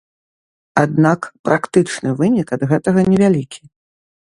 Аднак практычны вынік ад гэтага невялікі.